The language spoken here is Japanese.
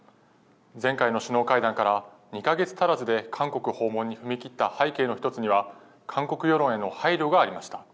前回の首脳会談から２か月足らずで韓国訪問に踏み切った背景の一つには、韓国世論への配慮がありました。